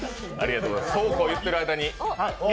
そうこう言ってる間に。